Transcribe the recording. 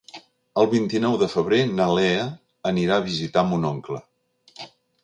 El vint-i-nou de febrer na Lea anirà a visitar mon oncle.